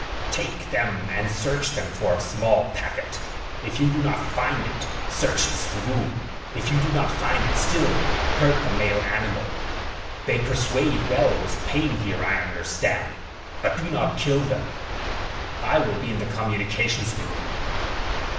"Take them and search them for a small packet. If you do not find it, search this room. If you do not find it still, hurt the male animal. They persuade well with pain here, I understand. But do not kill him. I will be in the communications room."